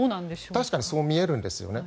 確かにそう見えるんですよね。